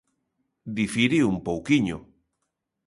Difire un pouquiño.